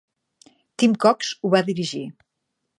Tim Cox ho va dirigir.